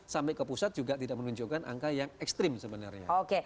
sampai ke pusat juga tidak menunjukkan angka yang ekstrim sebenarnya